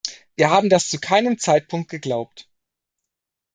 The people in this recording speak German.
Wir haben das zu keinem Zeitpunkt geglaubt.